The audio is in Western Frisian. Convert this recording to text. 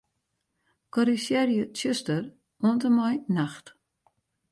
Korrizjearje 'tsjuster' oant en mei 'nacht'.